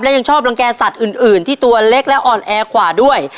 และยังชอบรังแก่สัตว์อื่นที่ตัวเล็กและอ่อนแอกว่าด้วย